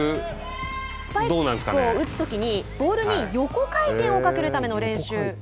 スパイクを打つときにボールに横回転をかけるための練習。